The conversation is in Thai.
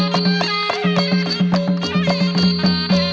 สวัสดีครับ